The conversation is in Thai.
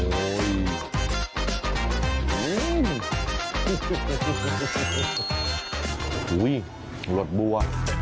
โอ้โหหลดบัว